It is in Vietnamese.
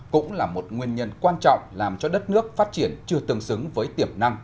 cũng là một nguyên nhân quan trọng làm cho đất nước phát triển chưa tương xứng với tiềm năng